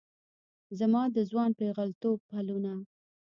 زما د ځوان پیغلتوب پلونه